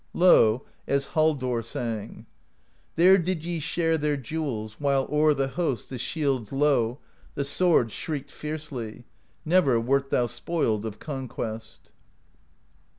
Lowe, as Haldorr sang: There did ye share their jewels, While o'er the host the Shield's Lowe, The sword, shrieked fiercely : never Wert thou spoiled of conquest.